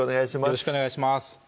よろしくお願いします